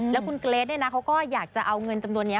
แล้วคุณเกรทเขาก็อยากจะเอาเงินจำนวนนี้